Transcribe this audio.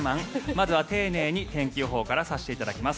まずは丁寧に天気予報からさせていただきます。